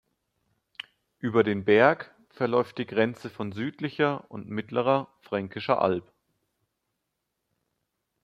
Über den Berg verläuft die Grenze von Südlicher und Mittlerer Fränkischer Alb.